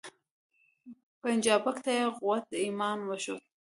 پنجابک ته یې قوت د ایمان وښود